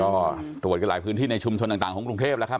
ก็ตรวจกันหลายพื้นที่ในชุมชนต่างของกรุงเทพแล้วครับ